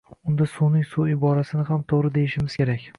Unda suvning suvi iborasini ham toʻgʻri deyishimiz kerak